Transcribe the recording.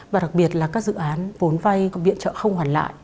và đặc biệt là các dự án vốn vay có biện trợ không hoàn lại